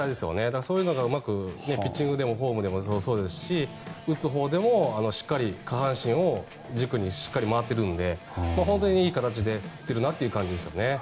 そういうのがうまくピッチングでもフォームでもそうですし打つほうでもしっかり下半身を軸にしっかり回っているので本当にいい形で来ているなという感じですね。